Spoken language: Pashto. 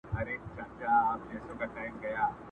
څه کلونه بېخبره وم له ځانه،